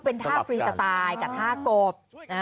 เป็นท่าฟรีสไตล์กับท่ากบ